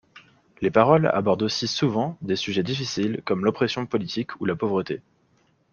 Les paroles abordent aussi souvent des sujets difficiles comme l'oppression politique ou la pauvreté.